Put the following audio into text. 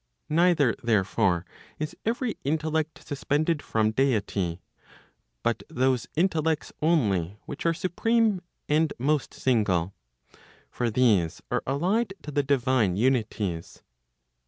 Neither, therefore, is every intellect suspended from deity, but those intellects only which are supreme and most single. For these are allied to the divine unities.